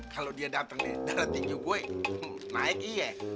kalau dia datang di darah tinggi gue naik iya